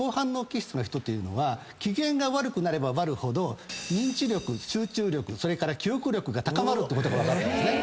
気質な人というのは機嫌が悪くなれば悪いほど認知力集中力それから記憶力が高まるってことが分かったんですね。